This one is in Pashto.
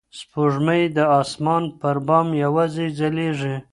سپوږمۍ د اسمان پر بام یوازې ځلېږي.